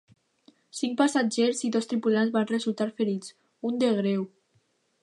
Cinc passatgers i dos tripulants van resultar ferits, un de greu.